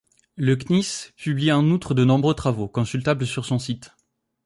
Le Cnis publie en outre de nombreux travaux, consultables sur son site.